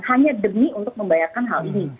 hanya demi untuk membayarkan hal ini